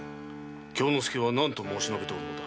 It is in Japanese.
京之介は何と申し述べておるのだ？